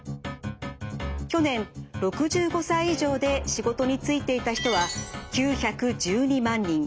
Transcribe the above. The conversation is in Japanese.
去年６５歳以上で仕事に就いていた人は９１２万人。